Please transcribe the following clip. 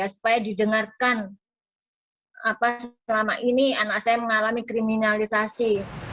supaya didengarkan selama ini anak saya mengalami kriminalisasi